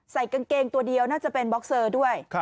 กางเกงตัวเดียวน่าจะเป็นบ็อกเซอร์ด้วย